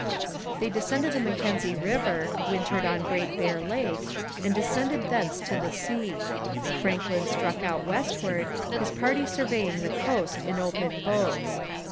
They descended the Mackenzie river, wintered on Great Bear Lake, and descended thence to the sea. Franklin struck out westward, his party surveying the coast in open boats.